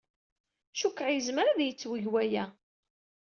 Cikkeɣ yezmer ad yettweg waya.